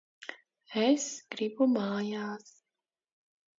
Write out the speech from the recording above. Es gribu mājās!